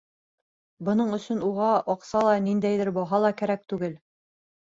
Бының өсөн уға аҡса ла, ниндәйҙер баһа ла кәрәк түгел.